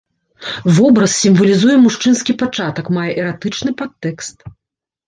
Вобраз сімвалізуе мужчынскі пачатак, мае эратычны падтэкст.